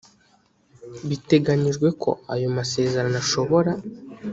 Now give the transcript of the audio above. biteganyijwe ko ayo amasezerano ashobora